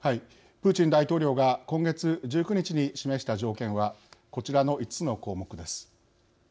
プーチン大統領が今月１９日に示した条件はこちらの５つの項目です。